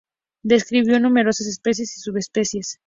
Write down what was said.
Describió numerosas especies y subespecies.